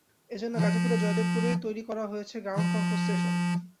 এ জন্য গাজীপুরের জয়দেবপুরে তৈরি করা হয়েছে গ্রাউন্ড কন্ট্রোল স্টেশন।